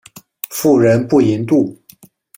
妇人不淫妒。